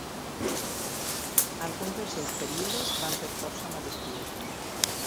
Alguns dels seus períodes van ser força majestuosos.